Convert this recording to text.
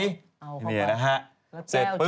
แล้วแก้วจารย์